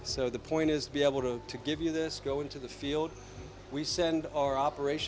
kondisi penampungan refuji dan kondisi penampungan refuji